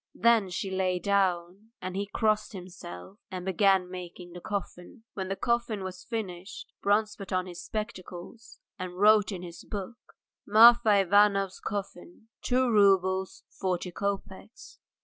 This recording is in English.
Then she lay down, and he crossed himself and began making the coffin. When the coffin was finished Bronze put on his spectacles and wrote in his book: "Marfa Ivanov's coffin, two roubles, forty kopecks."